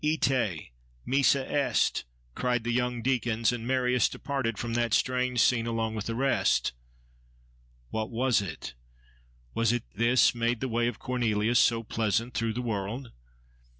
Ite! Missa est!—cried the young deacons: and Marius departed from that strange scene along with the rest. What was it?—Was it this made the way of Cornelius so pleasant through the world?